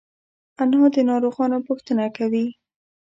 انا د ناروغانو پوښتنه کوي